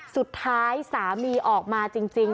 สุดท้ายสามีออกมาจริง